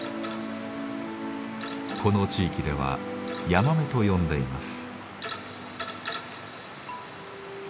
この地域ではヤマメと呼んでいます。